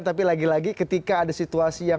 tapi lagi lagi ketika ada situasi yang